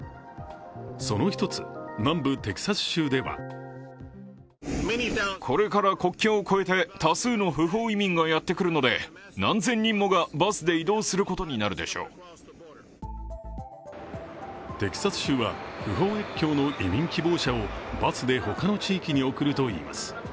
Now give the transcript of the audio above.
その一つ、南部テキサス州ではテキサス州は不法越境の移民希望者をバスで他の地域に送るといいます。